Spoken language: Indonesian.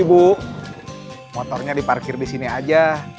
ibu motornya diparkir disini aja